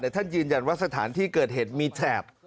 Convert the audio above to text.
ท่านยืนยันว่าสถานที่เกิดเหตุมีแถบ